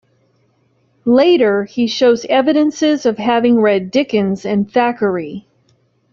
Later he shows evidences of having read Dickens and Thackeray.